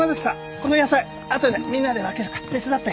この野菜あとでみんなで分けるから手伝って。